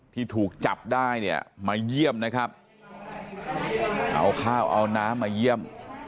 ที่ถูกจับได้เนี่ยมาเยี่ยมนะครับเอาข้าวเอาน้ำมาเยี่ยม